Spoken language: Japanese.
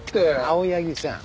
青柳さん。